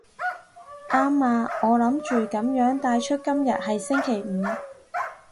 啱啊，我諗住噉樣帶出今日係星期五